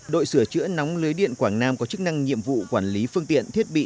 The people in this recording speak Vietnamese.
đội sửa chữa nóng lưới điện quảng nam có chức năng nhiệm vụ quản lý phương tiện thiết bị